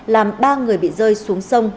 làm ba người bị rơi xuống sông